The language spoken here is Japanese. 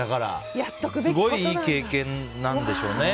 すごいいい経験なんでしょうね。